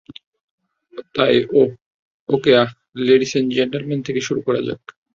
তাই - okay ah, ladies and gentleman তাহলে শুরু করা যাক।